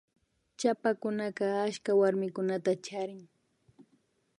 Chapakunaka ashta warmikunata charin